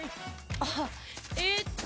あっえっと。